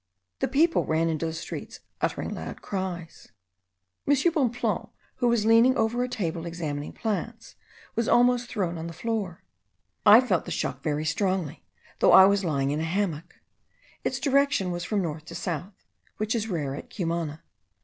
The people ran into the streets, uttering loud cries. M. Bonpland, who was leaning over a table examining plants, was almost thrown on the floor. I felt the shock very strongly, though I was lying in a hammock. Its direction was from north to south, which is rare at Cumana.